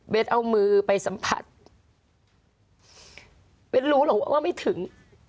เอามือไปสัมผัสเบ้นรู้หรอกว่าไม่ถึง